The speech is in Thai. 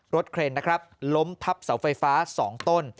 รถเครนล้มทับเสาไฟฟ้า๒ต้น